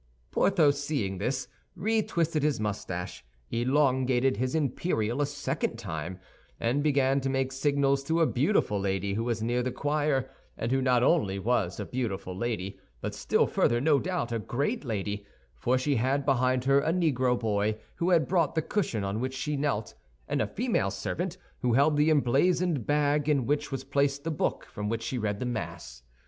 Porthos, seeing this, retwisted his mustache, elongated his imperial a second time, and began to make signals to a beautiful lady who was near the choir, and who not only was a beautiful lady, but still further, no doubt, a great lady—for she had behind her a Negro boy who had brought the cushion on which she knelt, and a female servant who held the emblazoned bag in which was placed the book from which she read the Mass.